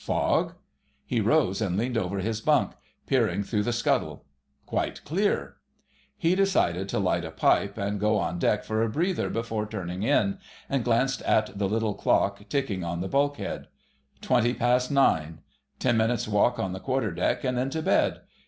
Fog? He rose and leaned over his bunk, peering through the scuttle. Quite clear. He decided to light a pipe and go on deck for a "breather" before turning in, and glanced at the little clock ticking on the bulkhead. Twenty past nine; ten minutes walk on the quarter deck and then to bed.